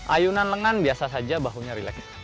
ayunan lengan biasa saja bahu nya relax